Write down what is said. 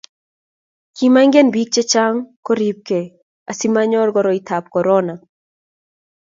ki maingen biik che chang' kuribgei asimanyoru koroitab korona